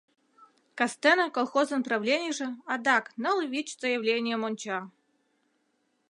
Кастене колхозын правленийже адак ныл-вич заявленийым онча.